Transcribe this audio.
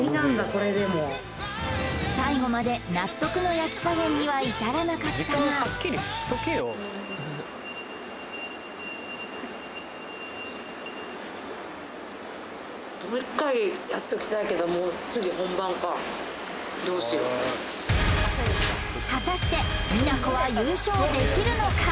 これでも最後まで納得の焼き加減には至らなかったが果たしてミナコは優勝できるのか！？